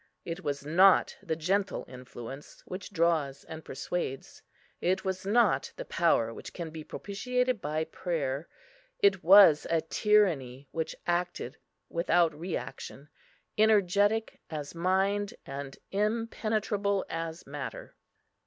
It was not the gentle influence which draws and persuades; it was not the power which can be propitiated by prayer; it was a tyranny which acted without reaction, energetic as mind, and impenetrable as matter.